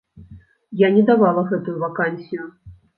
Я не давала гэтую вакансію.